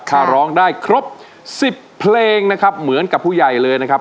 ถ้าร้องได้ครบ๑๐เพลงนะครับเหมือนกับผู้ใหญ่เลยนะครับ